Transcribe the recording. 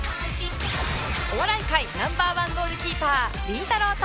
お笑い界 Ｎｏ．１ ゴールキーパーりんたろー。